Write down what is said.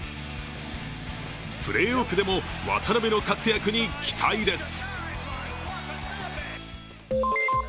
プレーオフでも渡邊の活躍に期待です。